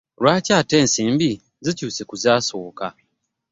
Lwaki ate ensimbi zikyuse ku zaasooka?